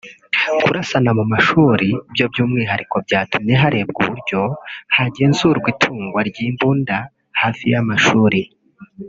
Kurasana mu mashuri byo by’umwihariko byatumye harebwa uburyo hagenzurwa itungwa ry’imbunda hafi y’amashuri